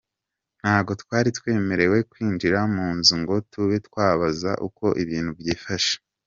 Ntago twari twemerewe kwinjira munzu ngo tube twabaza uko ibintu byifashe!